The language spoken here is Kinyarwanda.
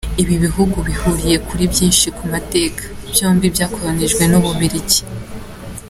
Ibi bihugu bihuriye kuri byinshi ku mateka, byombi byakolonijwe n’u Bubiligi.